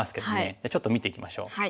じゃあちょっと見ていきましょう。